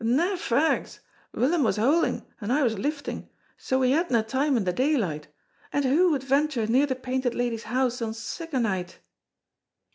"Na faags! Willum was hol'ing and I was lifting, so we hadna time in the daylight, and wha would venture near the Painted Lady's house on sic a night?"